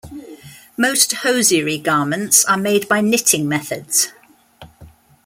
Most hosiery garments are made by knitting methods.